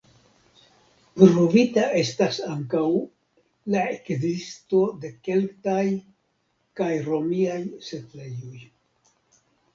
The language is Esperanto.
Pruvita estas ankaŭ la ekzisto de keltaj kaj romiaj setlejoj.